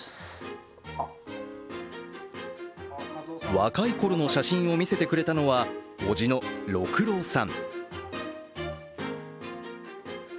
若いころの写真を見せてくれたのは、叔父の六郎さん。